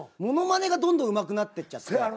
ものまねがどんどんうまくなってっちゃって。